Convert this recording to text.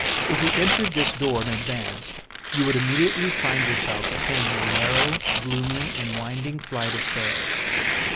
If you entered this door and advanced, you would immediately find yourself ascending a narrow, gloomy and winding flight of stairs.